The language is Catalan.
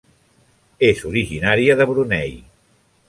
És originària de Brunei.